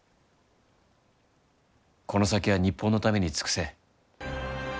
この先は日本のために尽くせ。